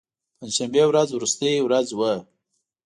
د پنج شنبې ورځ وروستۍ ورځ وه.